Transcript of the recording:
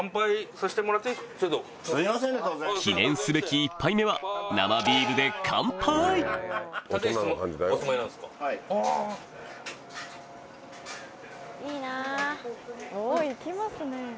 記念すべき１杯目は生ビールで乾杯おっいきますね。